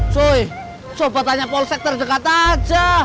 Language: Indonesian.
soy coba tanya polsek terdekat aja